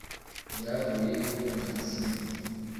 ryavuye ibwotamasimbi